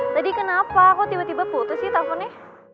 tadi kenapa aku tiba tiba putus sih teleponnya